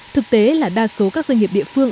thực tế là đa số các doanh nghiệp địa phương